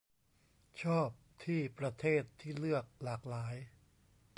ชอบที่ประเทศที่เลือกหลากหลาย